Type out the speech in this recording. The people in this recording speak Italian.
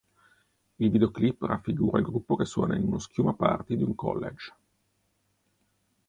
Il videoclip raffigura il gruppo che suona in uno "schiuma-party" di un college.